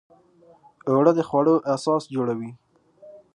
اوړه د خوړو اساس جوړوي